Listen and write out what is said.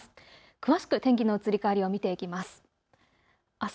詳しく天気の移り変わりを見ていきます。